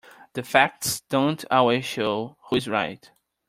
The facts don't always show who is right.